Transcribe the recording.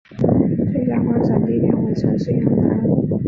最佳观赏地点为城市阳台。